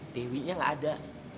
dewinya nggak ada